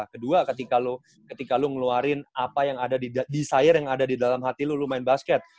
kedua ketika lu ngeluarin apa yang ada desire yang ada di dalam hati lu lu main basket